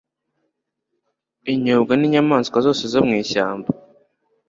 Inyobwa ninyamaswa zose zo mu ishyamba